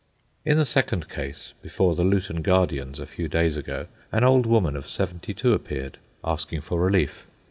In the second case, before the Luton Guardians a few days ago, an old woman of seventy two appeared, asking for relief.